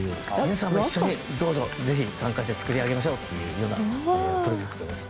皆さんも一緒にぜひ、参加して一緒に作り上げましょうというプロジェクトです。